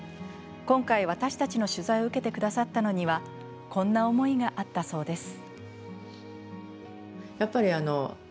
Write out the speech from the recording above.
今回、私たちの取材を受けてくださったのにはこんな思いがあったそうです。